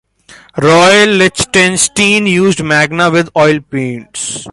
Roy Lichtenstein used magna with oil paints.